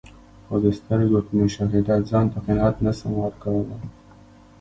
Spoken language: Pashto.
خو د سترګو په مشاهده ځانته قناعت نسم ورکول لای.